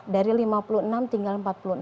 dari lima puluh enam tinggal empat puluh enam